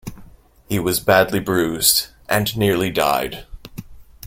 He was badly bruised and nearly died.